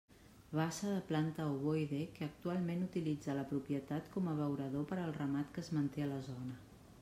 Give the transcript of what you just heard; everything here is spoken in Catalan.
Bassa de planta ovoide, que actualment utilitza la propietat com a abeurador per al ramat que es manté a la zona.